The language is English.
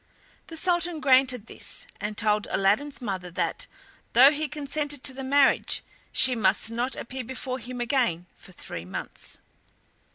The Sultan granted this, and told Aladdin's mother that, though he consented to the marriage, she must not appear before him again for three months.